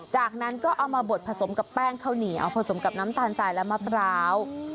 จากนั้นก็เอามาบดผสมกับแป้งข้าวเหนียวเอาผสมกับน้ำตาลสายและมะพร้าว